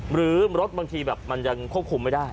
หรือรถบางทีแบบมันยังควบคุมไม่ได้